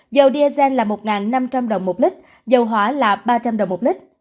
dầu diazen là một năm trăm linh đồng một lít dầu hóa là ba trăm linh đồng một lít